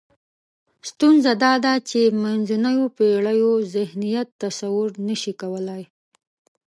ستونزه دا ده چې منځنیو پېړیو ذهنیت تصور نشي کولای.